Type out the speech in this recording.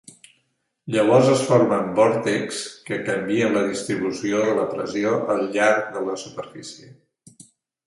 Llavors es formen vòrtexs que canvien la distribució de la pressió al llarg de la superfície.